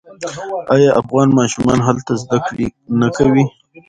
آیا افغان ماشومان هلته زده کړې نه کوي؟